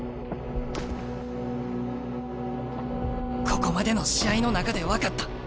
ここまでの試合の中で分かった。